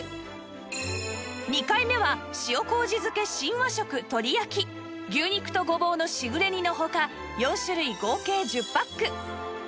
２回目は塩こうじ漬新和食鶏焼牛肉とごぼうのしぐれ煮の他４種類合計１０パック